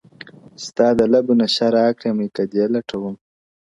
چي ستا د لبو نشه راکړي میکدې لټوم,